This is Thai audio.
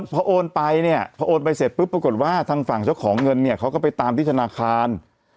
พอโอนไปเนี่ยพอโอนไปเสร็จปุ๊บปรากฏว่าทางฝั่งเจ้าของเงินเนี่ยเขาก็ไปตามที่ธนาคาร